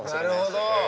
なるほど。